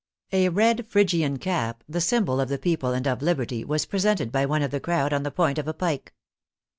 A red Phrygian cap, the symbol of the People and of Liberty, was presented by one of the crowd on the point of a pike.